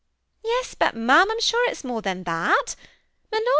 " Yes ; but ma'am, Fm sure it's more than that.